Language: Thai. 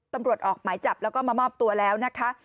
ตำรวจออกหมายจับแล้วก็มามอบตัวแล้วนะคะ